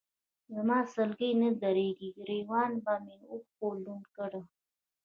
زما سلګۍ نه درېدې، ګرېوان مې به اوښکو لوند کړ.